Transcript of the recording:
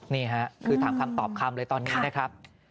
นี่ค่ะคือถามคำตอบคำเลยตอนนี้นะครับ